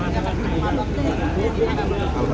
jangan masuk ke malang deh